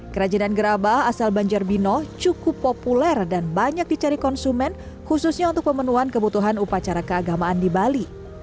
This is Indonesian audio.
kerajinan gerabah asal banjarbino cukup populer dan banyak dicari konsumen khususnya untuk pemenuhan kebutuhan upacara keagamaan di bali